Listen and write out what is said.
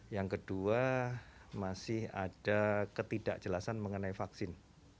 yang kedua masih ada ketidakjelasan mengenai vaksin